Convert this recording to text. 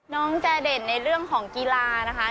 น้องจะเด่นในเรื่องของกีฬานะคะ